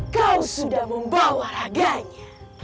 kau sudah membawa raganya